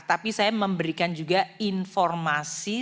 tapi saya memberikan juga informasi